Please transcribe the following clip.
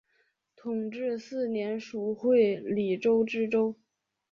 同治四年署会理州知州。